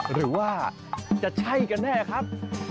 หรือว่าจะใช่กันแน่ครับ